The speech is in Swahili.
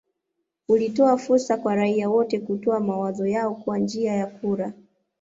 Ulitoa fursa kwa raia wote kutoa mawazo yao kwa njia ya kura